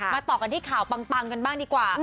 ต่อกันที่ข่าวปังกันบ้างดีกว่า